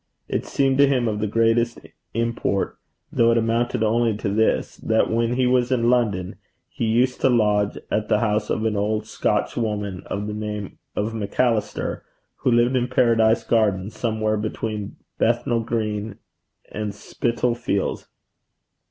It seemed to him of the greatest import, though it amounted only to this, that when he was in London, he used to lodge at the house of an old Scotchwoman of the name of Macallister, who lived in Paradise Gardens, somewhere between Bethnal Green and Spitalfields.